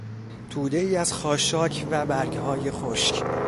تودهای از خاشاک و برگهای خشک